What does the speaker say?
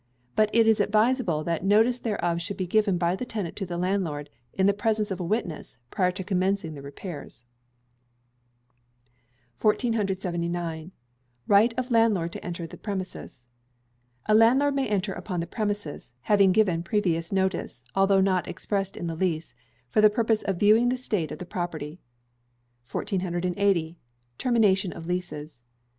But it is advisable that notice thereof should be given by the tenant to the landlord, in the presence of a witness, prior to commencing the repairs. 1479. Right of Landlord to Enter Premises. A landlord may enter upon the premises (having given previous notice, although not expressed in the lease), for the purpose of viewing the state of the property. 1480. Termination of Leases.